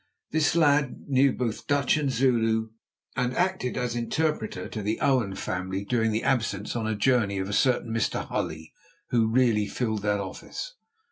This lad knew both Dutch and Zulu, and acted as interpreter to the Owen family during the absence on a journey of a certain Mr. Hulley, who really filled that office.